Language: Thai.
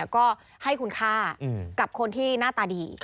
ก็ให้คุณค่ากับคนที่หน้าตาดี